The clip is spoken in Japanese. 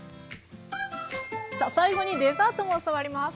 さあ最後にデザートも教わります。